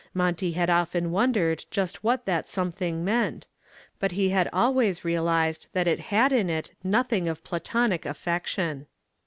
Monty had often wondered just what that something meant, but he had always realized that it had in it nothing of platonic affection.